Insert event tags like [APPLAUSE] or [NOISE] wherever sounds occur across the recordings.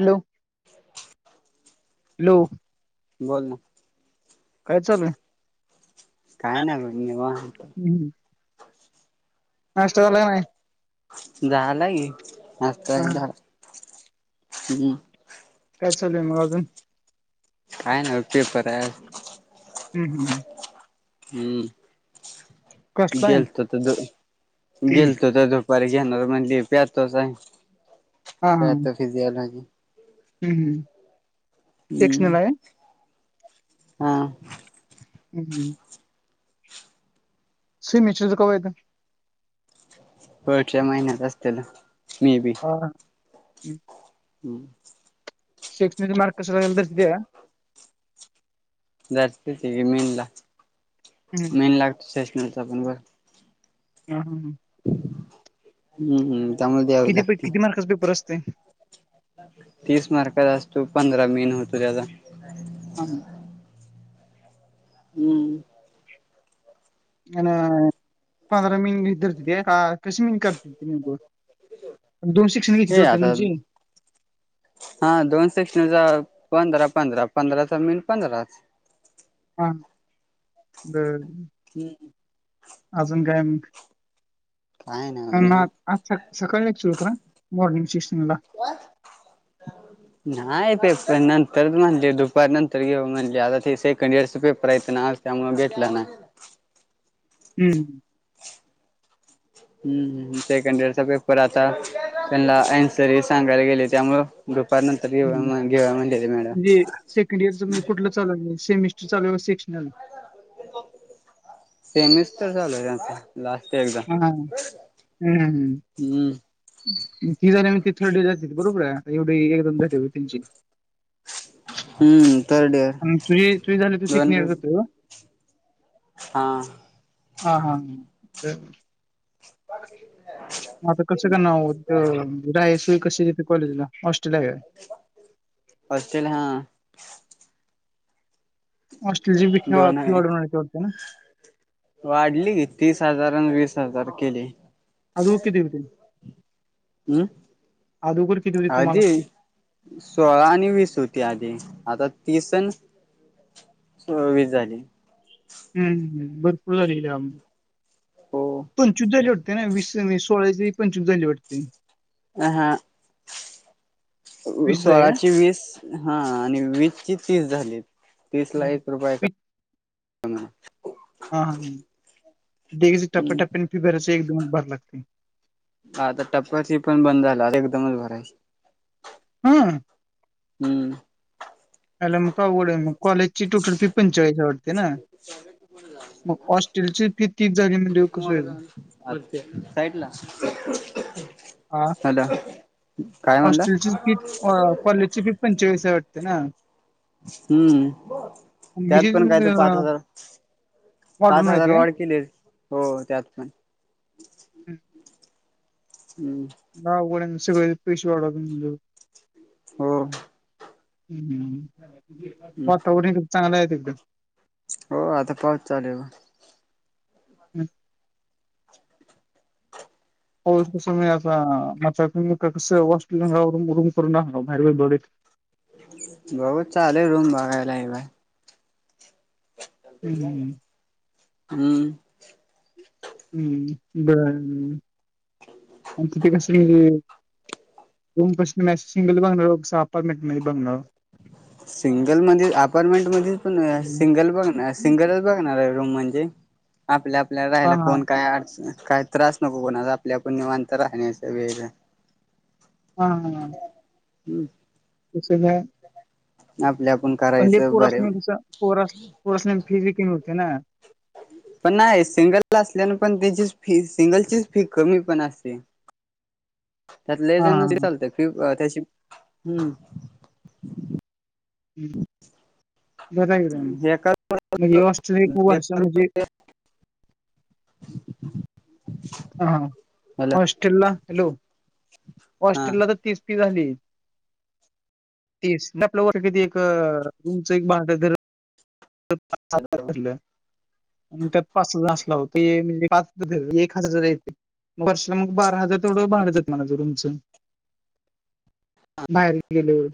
Hello hello. बोल ना. काय चालूय. काय नाही बघ वा. नष्ट झाला नाही. झाला मस्त हा हा झा हम्. काय चालय मग अजून. काय ना पेपर आहे. हम् हम्. हम्म कसला आहे? गेलतो त दो गेलतो तो. बर घ्याणार म्हणली प्यातो सायस हा हा हम्म प्याहतो फिजिओलॉजी. हम्म. सेक्शनल हम्म आहे? हा. हम् हम. स मिश्रीचो कायेत. वरच्या महिन्यात असल मे बी. ह. हमं. शैक्षणिक मारकस एलच्या. ज मेन ला हम्म मेन लागतो स्टेशनलच पण बर. हम हम ह. हम्म हम्म. त्यामुळे द्यावी किती पे लागते किती मार्कास पेपर असते. तीस मार्कात असतो पंधरा मेन होतो त्याचा. हां. हम्म. नन पंधरा मीन घिरत कृसमीन कातती नि. ये आता. हा दोन सेशणचा पंधरा पंधरा पंधराचा मिन पंधरा. हा अ. हम्. अजून काय मग. नाही ना निवा आज सकाळी क्चल होत मॉर्निंग सिशनला. का? [UNINTELLIGIBLE] [INAUDIBLE] ना पेपर नंतर म्हणले दुपारी नंतर ग म्ह सेकंड इयरस पेपर येत ना. त्यामु गेटला नाही. हम्म हम्म सेकंड इयरचा पेपर आता त्यांना अन्सरी सांगायला गेले त्यामु ग्रुप नंतर हम्म घेवा घेवा म्हणडली मॅडम चाल सेमिस्टर चालू सेशल सेनिस तरर चालूय त्यांचा लास्ट एकदा हा हम्म. ती जा म ती थर्ड डे जाते बरोबर एवढी एकदम जाते त्यांची हम्म थर्ड आणि तुझी तुझी झाली तू इयर सेकंड इयर जातो हां. हा हा ह. कसं का ना राय सुोई कशी येते कॉलेज ला हॉस्टेलला आहे. हऑस्ट्रेलिया हा. हॉटल जे बी खेवा दोन आहे ठेवाडते ना. वाढली तीस हजार आणि वीस हजार केली. अं होकिव तती हम् अगोदर किती होती तुम्हाला आजी सोळा आणि वीस होती आधी आता तीसण वीज झाली. हम् भरपूर झाले हो पंचू झाली होटते ना वस सोळा पंचवीस झाली वाटते. अ हा वीस आहे का सोळाची वीस हा आणि वीजची तीस झाली तीस ला हम्म. एक रुपये का? वीस ह. हा हा हग हम्म टप्प्याटप्प्यान फिबरचे एक दोन भर लागते. हा आता टप्पची पण बंद झालाता एकदमच भरायच. हम. हम्म. अला मग आवड आहे मग कॉजची टुटपी पंचाळीस आवडते ना. मग ऑस्ट्रेलची फि तुक वार साईडला हा हॅलो काय म्हणलं. कोलेची फि पणचेस वाटते ना. हम्म आणि त्यात ह्याची पण काय तर पाच अं, हजार. पाच वाढून हजार राहते काय वाढ केले हो त्यात पण हम्म. ना ग सगळळे पैश वाडत. हो. ह वातावरण चांगलं आहे एकदम हो आता पाऊस चालेूल म हो कस म आता म कस वॉट रूम करून बाहेर बत बघु चालेल रूम बघायला आहे बाय. हम्म हम्म. हम्म बर आणि तिथे कस? रूम प्रश् मॅ सिंगल बघणारो अपार्टमेंट म बघणार. सिंगल म अपारमेंट म पण सिंगल पण सिंगल. बघणार रूम म्हणजे आपल्या आपल्याला हा राहाला हा कोण कायर्. काय त्रास नको कोणाला. आपल्या आपण निवांत राहण्याचा वेगळं. हां. हं, त्याचं काय? आपल्या आपण का पण हे पोरासनी कसं पोरा पोरासली फीज बी कमी होते ना. पण नाही सिंगल असल्याने पण त्याचीच फी सिंगलचीच फी कमी पण असते. त्यात लइ हा जण हा चालत फी त्याची, हं. हं, बराये की हे कर आणि हे हॉस्टेल खूप वर्ष म्हणजे [INAUDIBLE] हा. हॅलो हॉस्टेलला हॅलो, हा हॉस्टेलला तर तीस ती झाली. तीस. ते आपलं वर कधी एक तुमचं एक बाद हो [UNINTELLIGIBLE] अन त्यात पाच हजार असला होता. हे म्हणजे पाच एक हजार ये ते. म वर्षाला मग बारा हजार तेवढ भाड जात माजं रुमचं. बाहेर गेलेवर.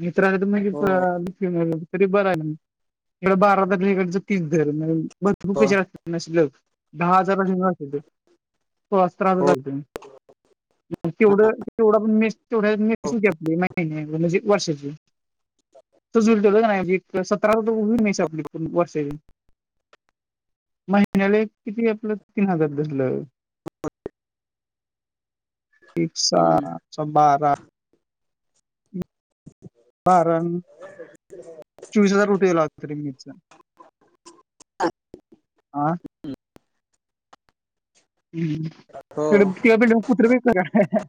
मित्र आले तर लगेच हो पळाले. तरी बरं ना. इकड बारा इकड तीस दर म भरपूर हो पैसे अस नसलेत, दहा हजारांनी रहा तिथं. तेव्हा राहाच हो लागतं नी. तेवढं तेवढा पण मेस तेवढ्यात मेस होती आपली महिन्या म्हणजे वर्षाची. तोच हिशोब ठेवला की नाही. म्हणजे एक सतराल तर होईल पूर्ण मेस आपली वर्षाची. महिन्याला एक किती आपलं तीन हजार धरलं. एक सा हम्म सहा बारा. कारण, [INAUDIBLE] [INAUDIBLE] चोवीस हजार रुठेला होत तरी नेटच. हा? हं. हो ते तेव पिड क कुत्र बी येतं का?